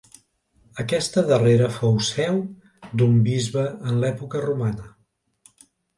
Aquesta darrera fou seu d'un bisbe en l'època romana.